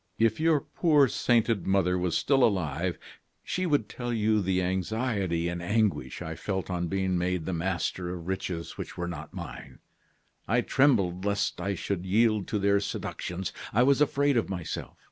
"If your poor sainted mother was still alive, she would tell you the anxiety and anguish I felt on being made the master of riches which were not mine. I trembled lest I should yield to their seductions; I was afraid of myself.